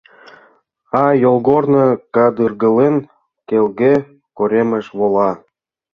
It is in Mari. А йолгорно, кадыргылын, келге коремыш вола.